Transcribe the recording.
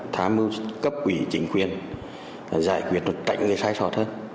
thám ưu cấp quỷ chính quyền giải quyết nó tạnh cái sái sọt hơn